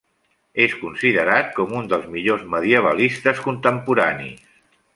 És considerat com un dels millors medievalistes contemporanis.